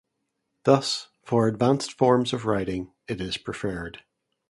Thus, for advanced forms of riding, it is preferred.